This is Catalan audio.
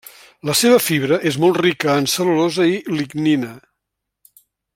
La seva fibra és molt rica en cel·lulosa i lignina.